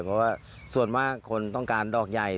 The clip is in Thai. เพราะว่าส่วนมากคนต้องการดอกใหญ่